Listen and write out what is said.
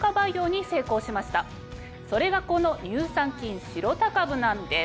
それがこの乳酸菌シロタ株なんです。